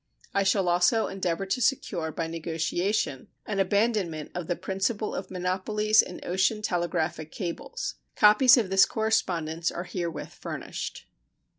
I shall also endeavor to secure, by negotiation, an abandonment of the principle of monopolies in ocean telegraphic cables. Copies of this correspondence are herewith furnished.